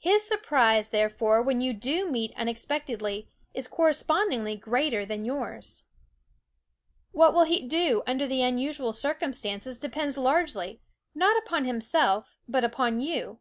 His surprise, therefore, when you do meet unexpectedly is correspondingly greater than yours. What he will do under the unusual cir cumstances depends largely, not upon him self, but upon you.